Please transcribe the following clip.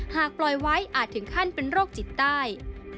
หากปล่อยไว้อาจถึงขั้นเป็นโรคจิตใต้